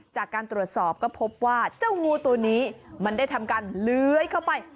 จากการตรวจสอบก็พบว่าเจ้างูตัวนี้มันได้ทำการเลื้อยเข้าไป